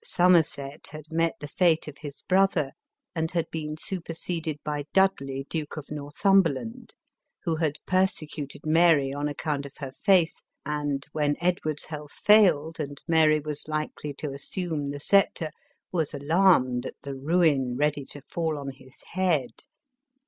Somerset had met the fate of his brother, and had been superseded by Dudley, Duke of Northumberland, who had persecuted Mary on account of her faith, and, when Edward's health failed and Mary was likely to assume the sceptre, was alarmed at the ruin ready to fall on his head.